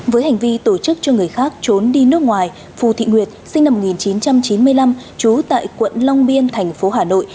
với hành vi tổ chức cho người khác trốn đi nước ngoài phù thị nguyệt sinh năm một nghìn chín trăm chín mươi năm trú tại quận long biên thành phố hà nội